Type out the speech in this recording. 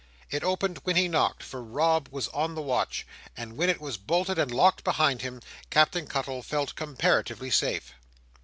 It opened when he knocked—for Rob was on the watch—and when it was bolted and locked behind him, Captain Cuttle felt comparatively safe.